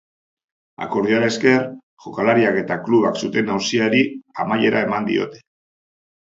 Akordioari esker, jokalariak eta klubak zuten auziari amaiera eman diote.